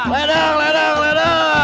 ledang ledang ledang